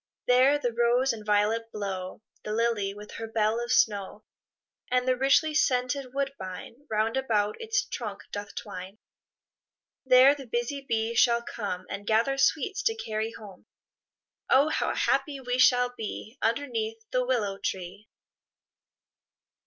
There the rose and violet blow, The lily with her bell of snow, And the richly scented woodbine, Round about its trunk doth twine; There the busy bee shall come, And gather sweets to carry home. Oh, how happy we shall be, Underneath the willow tree!